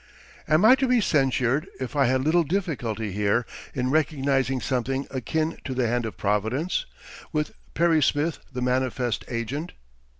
Am I to be censured if I had little difficulty here in recognizing something akin to the hand of Providence, with Perry Smith the manifest agent?